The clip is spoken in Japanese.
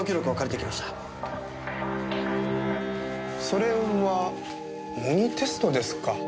それは模擬テストですか。